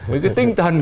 với cái tinh thần